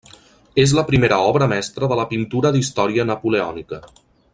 És la primera obra mestra de la pintura d'història napoleònica.